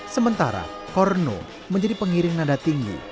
sementara korno menjadi pengiring nada tinggi